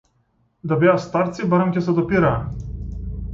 Да беа старци барем ќе се допираа.